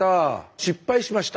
失敗しました。